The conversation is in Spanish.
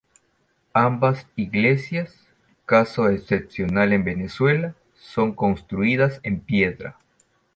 Ambas iglesias, caso excepcional en Venezuela, son construidas en piedra.